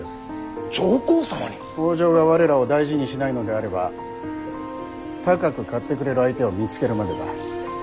北条が我らを大事にしないのであれば高く買ってくれる相手を見つけるまでだ。